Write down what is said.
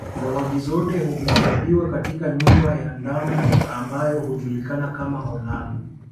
Zawadi zote huhifadhiwa katika nyumba ya ndama ambayo hujulikana kama Olale